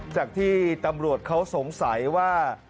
จากที่ตำรวจเขาสงสัยว่า